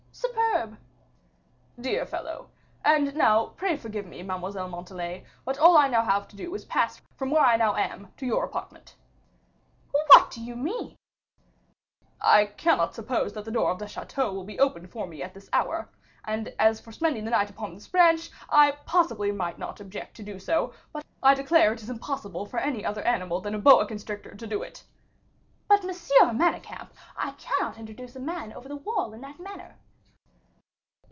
"Superb!" "Dear fellow! And now, pray forgive me, Mademoiselle Montalais; but all I now have to do is pass from where I now am to your apartment." "What do you mean?" "I cannot suppose that the door of the chateau will be opened for me at this hour; and as for spending the night upon this branch, I possibly might not object to do so, but I declare it is impossible for any other animal than a boa constrictor to do it." "But, M. Manicamp, I cannot introduce a man over the wall in that manner."